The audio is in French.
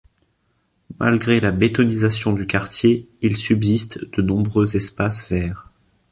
Malgré la bétonnisation du quartier, il subsiste de nombreux espaces verts.